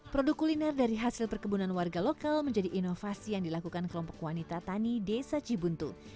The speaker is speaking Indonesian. produk kuliner dari hasil perkebunan warga lokal menjadi inovasi yang dilakukan kelompok wanita tani desa cibuntu